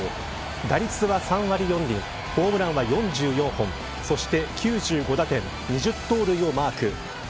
打率は３割４厘ホームランは４４本そして９５打点２０盗塁をマーク。